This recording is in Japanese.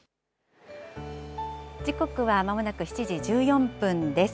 時刻はまもなく７時１４分です。